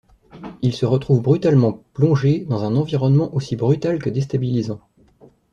Il se retrouve brutalement plongé dans un environnement aussi brutal que déstabilisant.